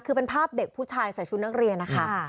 คือเป็นภาพเด็กผู้ชายใส่ชุดนักเรียนนะคะ